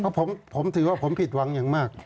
เพราะผมถือว่าผมผิดหวังอย่างมาก